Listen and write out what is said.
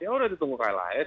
ya udah ditunggu klhs